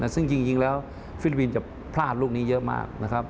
ซึ่งจริงแล้วฟิลิปปินส์จะพลาดลูกนี้เยอะมากนะครับ